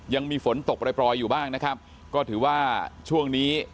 ยังมีฝนตกปล่อยปล่อยอยู่บ้างนะครับก็ถือว่าช่วงนี้